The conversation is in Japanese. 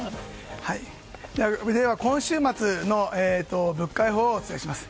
今週末の物価予報をお伝えします。